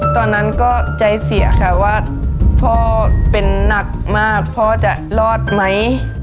ตอนนั้นก็ใจเสียค่ะว่าพ่อเป็นหนักมากพ่อจะรอดไหม